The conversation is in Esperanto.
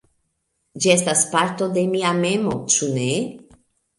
Ĝi estas parto de mia memo, ĉu ne?